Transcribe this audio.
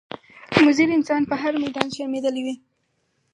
موزي انسان په هر میدان شرمېدلی وي.